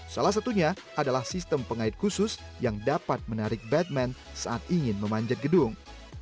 salah satunya adalah sistem pengait khusus yang dapat menarik batman saat ingin memanjat gedung